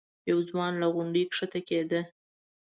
یو ځوان له غونډۍ ښکته کېده.